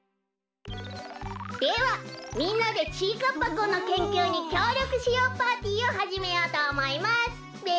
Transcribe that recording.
では「みんなでちぃかっぱくんのけんきゅうにきょうりょくしよう！パーティー」をはじめようとおもいますべ。